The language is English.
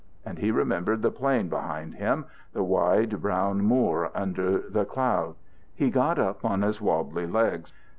And he remembered the plain behind him, the wide, brown moor under the could. He got up on his wobbly legs.